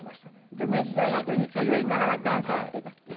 じゃあ明治大学に通いながらダンスやっていたっていう。